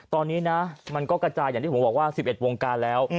ตอนนี้นะมันก็กระจายอย่างที่ผมบอกว่า๑๑วงการแล้ว